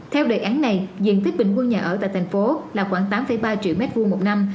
theo đề án này diện tích bình quân nhà ở tại thành phố là khoảng tám ba triệu m hai một năm